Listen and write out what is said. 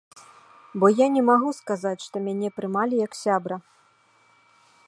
Бо я не магу сказаць, што мяне прымалі як сябра.